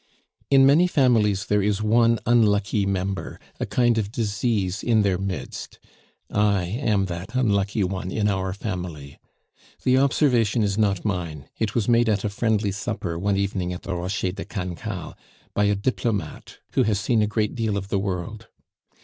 In many families there is one unlucky member, a kind of disease in their midst. I am that unlucky one in our family. The observation is not mine; it was made at a friendly supper one evening at the Rocher de Cancale by a diplomate who has seen a great deal of the world.